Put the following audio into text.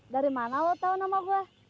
dari mana lo tau nama gue